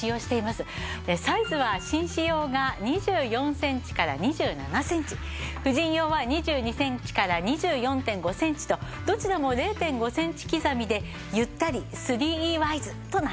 サイズは紳士用が２４センチから２７センチ婦人用は２２センチから２４．５センチとどちらも０．５センチ刻みでゆったり３Ｅワイズとなっています。